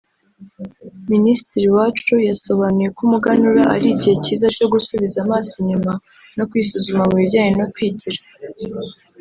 Minisitiri Uwacu yasobanuye ko umuganura ari igihe cyiza cyo gusubiza amaso inyuma no kwisuzuma mu bijyanye no kwigira